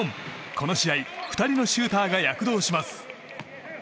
この試合２人のシューターが躍動します。